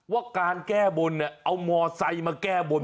ว่าการแก้บ้นเอามอเตอร์ไซต์มาแก้บ้น